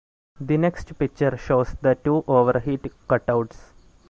The next picture shows the two overheat cutouts.